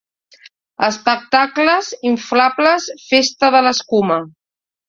Espectacles, inflables, festa de l'escuma.